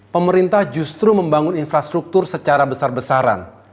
pemerintah justru membangun infrastruktur secara besar besaran